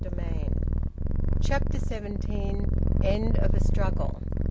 VOLUME ONE, CHAPTER SEVENTEEN. END OF A STRUGGLE.